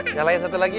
nyalain satu lagi ya